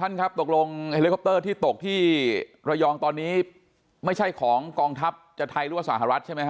ท่านครับตกลงเฮลิคอปเตอร์ที่ตกที่ระยองตอนนี้ไม่ใช่ของกองทัพจะไทยหรือว่าสหรัฐใช่ไหมฮ